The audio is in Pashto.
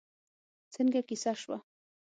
څنګه کېسه شوه؟